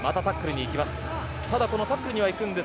またタックルに行きます。